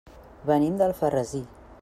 Venim d'Alfarrasí.